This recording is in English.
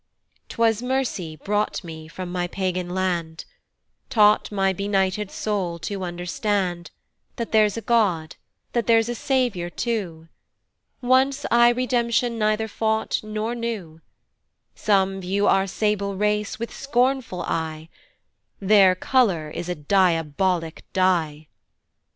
'TWAS mercy brought me from my Pagan land, Taught my benighted soul to understand That there's a God, that there's a Saviour too: Once I redemption neither sought nor knew, Some view our sable race with scornful eye, "Their colour is a diabolic die."